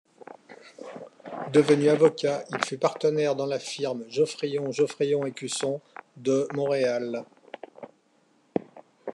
Devenu avocat, il fut partenaire dans la firme Geoffrion, Geoffrion & Cusson de Montréal.